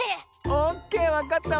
オッケーわかったわ。